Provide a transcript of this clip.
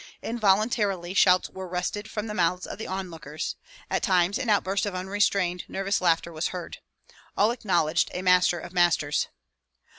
Involuntarily shouts were wrested from the mouths of the onlookers; at times an outburst of unrestrained, nervous laughter was heard; all acknowledged a master of masters.